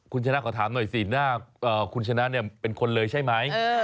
คุณชนะขอถามหน่อยสิหน้าคุณชนะเป็นคนเลยใช่ไหม